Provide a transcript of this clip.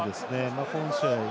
今試合